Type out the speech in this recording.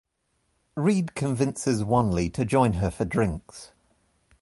Reed convinces Wanley to join her for drinks.